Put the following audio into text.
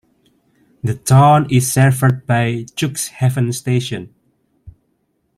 The town is served by Cuxhaven station.